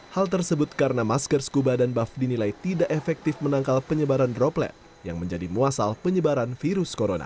hal tersebut karena masker scuba dan buff dinilai tidak efektif menangkal penyebaran droplet yang menjadi muasal penyebaran virus corona